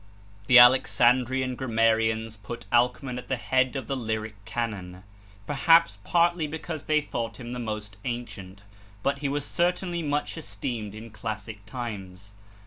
The Alexandrian grammarians put Alcman at the head of the lyric canon; perhaps partly because they thought him the most ancient, but he was certainly much esteemed in classic times.